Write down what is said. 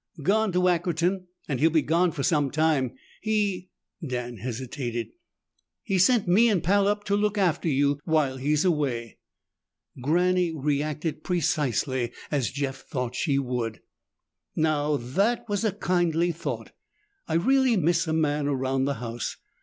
"Gone to Ackerton and he'll be gone for some time. He " Dan hesitated. "He sent me and Pal up to look after you while he's away." Granny reacted precisely as Jeff had thought she would. "Now that was a kindly thought! I really miss a man around the house.